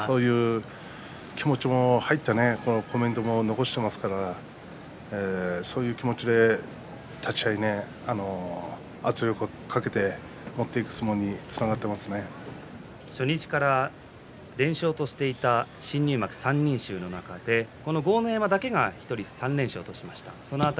また昨日の相撲では誰にも負けたくないというそういう気持ちも入ったコメントも残していますからそういう気持ちで立ち合いに圧力をかけて持っていく相撲に初日から２連勝していた新入幕３人衆の中でこの豪ノ山だけが１人３連勝としました。